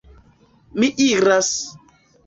Mi iras!